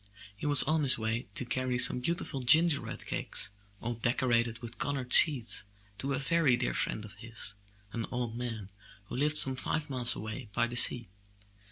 He was on his way to carry some beautiful gingerbread cakes, all de corated with colored seeds, to a very dear friend of his, an old man who lived some five miles away by the sea.